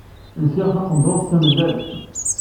Lsiɣ taqendurt d tamellalt.